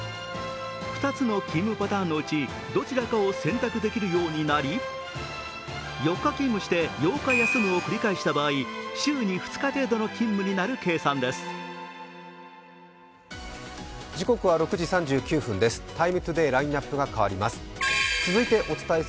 ２つの勤務パターンのうちどちらかを選択できるようになり４日勤務して８日休むを繰り返した場合、週に２日程度の勤務になる計算です「ＴＩＭＥ，ＴＯＤＡＹ」ラインナップが変わります。